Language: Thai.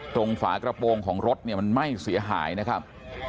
ฝากระโปรงของรถเนี่ยมันไหม้เสียหายนะครับ